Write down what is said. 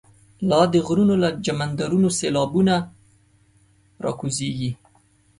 لا دغرو له جمدرونو، سیلاوونه ر ا کوزیږی